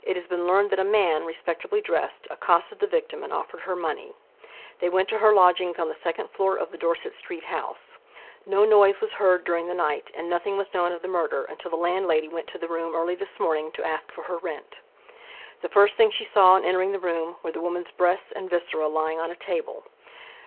It has been learned that a man, respectably dressed, accosted the victim and offered her money. They went to her lodgings on the second floor of the Dorset street house. No noise was heard during the night and nothing was known of the murder until the landlady went to the room early this morning to ask for her rent. The first thing she saw on entering the room were the woman's breasts and viscera lying on a table.